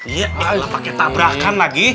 iya alah pake tabrakan lagi